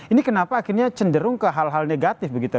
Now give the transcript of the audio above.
ini kenapa akhirnya cenderung ke hal hal negatif begitu